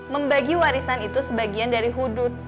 membagi warisan itu sebagian dari hudud